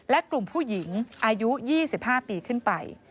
และกลุ่มผู้หญิงอายุ๒๕ปีขึ้นไป